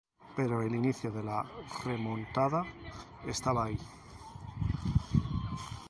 Pero el inicio de la remontada estaba ahí.